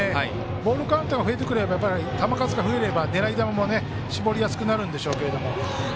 ボールカウントが増えてくれば球数が増えれば、狙い球も絞りやすくなるんでしょうけど。